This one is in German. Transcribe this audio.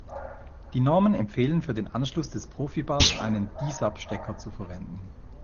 Die Normen empfehlen für den Anschluss des Profibus einen D-Sub Stecker zu verwenden.